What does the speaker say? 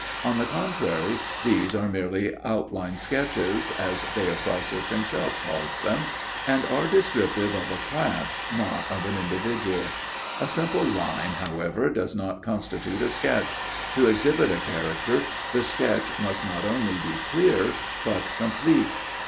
On the contrary, these are merely outline sketches, as Theophrastus himself calls them, and are descriptive of a class, not of an individual. A simple line, however, does not constitute a sketch; to exhibit a character, the sketch must not only be clear but complete.